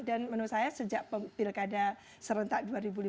dan menurut saya sejak pilkada serentak dua ribu lima belas